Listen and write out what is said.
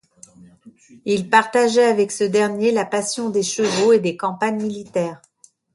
Il partageait avec ce dernier la passion des chevaux et des campagnes militaires.